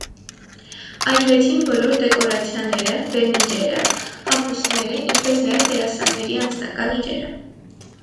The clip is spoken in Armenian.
Այրվեցին բոլոր դեկորացիաները, բեմիրերը, հագուստները, ինչպես նաև դերասանների անձնական իրերը։